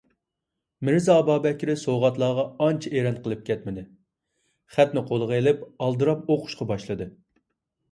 مىرزا ئابابەكرى سوۋغاتلارغا ئانچە ئېرەن قىلىپ كەتمىدى، خەتنى قولىغا ئېلىپ ئالدىراپ ئوقۇشقا باشلىدى.